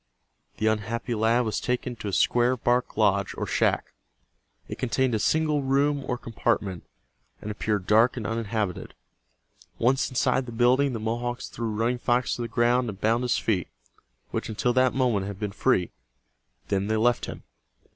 The unhappy lad was taken to a square bark lodge or shack. It contained a single room or compartment, and appeared dark and uninhabited. Once inside the building, the Mohawks threw Running Fox to the ground and bound his feet, which until that moment had been free. Then they left him.